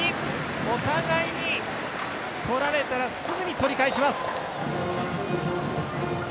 お互いに取られたらすぐに取り返します。